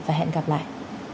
và hẹn gặp lại